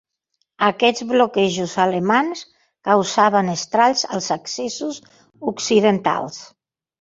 Aquests bloquejos alemanys causaven estralls als accessos occidentals.